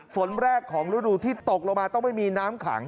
ฝนแรกของฤดูที่ตกลงมาต้องไม่มีน้ำขัง